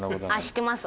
知ってます！